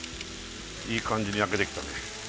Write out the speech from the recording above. いい感じに焼けてきたね